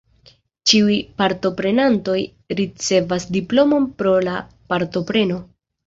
Ĉiuj partoprenantoj ricevas diplomon pro la partopreno.